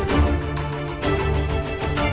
kok panik begitu bu